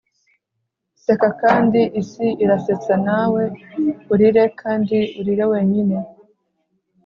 seka kandi isi irasetsa nawe, urire kandi urira wenyine